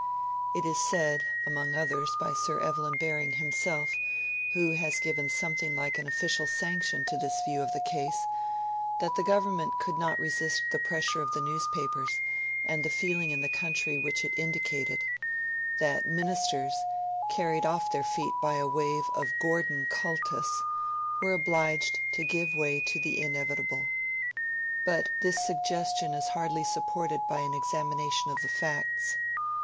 It is said among others, by Sir Evelyn Baring himself, who has given something like an official sanction to this view of the case that the Government could not resist the pressure of the newspapers and the feeling in the country which it indicated; that Ministers, carried off their feet by a wave of 'Gordon cultus', were obliged to give way to the inevitable. But this suggestion is hardly supported by an examination of the facts.